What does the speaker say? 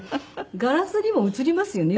ガラスにも映りますよね？